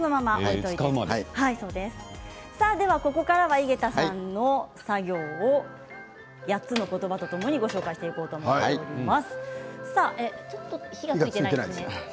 ここからは井桁さんの作業を８つの言葉とともにご紹介していこうと思います。